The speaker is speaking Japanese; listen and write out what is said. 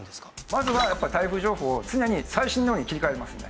まずはやっぱり台風情報を常に最新のに切り替えますね。